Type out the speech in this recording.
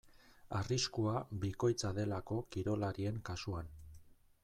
Arriskua bikoitza delako kirolarien kasuan.